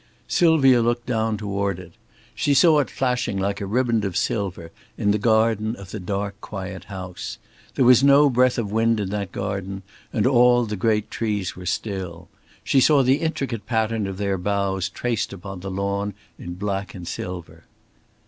Sylvia looked down toward it. She saw it flashing like a riband of silver in the garden of the dark quiet house. There was no breath of wind in that garden, and all the great trees were still. She saw the intricate pattern of their boughs traced upon the lawn in black and silver.